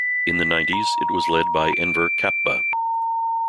In the nineties, it was led by Enver Kapba.